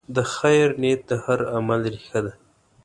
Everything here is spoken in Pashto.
د خیر نیت د هر عمل ریښه ده.